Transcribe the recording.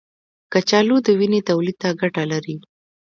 کچالو د وینې تولید ته ګټه لري.